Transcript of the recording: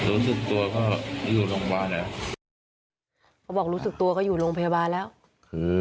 บอกรู้สึกตัวเขาอยู่โรงพยาบาลแล้ว